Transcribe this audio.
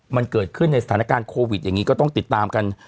มันเกิดขึ้นในสถานการณ์โควิดอย่างนี้ก็ต้องติดตามกัน